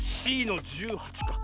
Ｃの１８か。